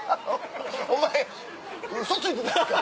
お前ウソついてたんか？